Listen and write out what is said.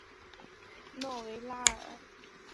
诺维拉尔。